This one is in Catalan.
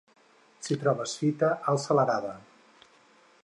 Si trobes fita, alça l'arada.